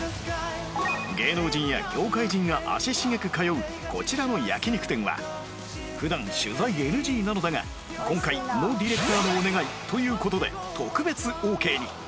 芸能人や業界人が足しげく通うこちらの焼肉店は普段取材 ＮＧ なのだが今回ノディレクターのお願いという事で特別オーケーに